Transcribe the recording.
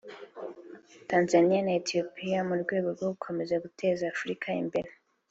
Tanzania na Ethiopia mu rwego rwo gukomeza guteza Afurika imbere